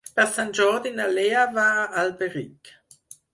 Per Sant Jordi na Lea va a Alberic.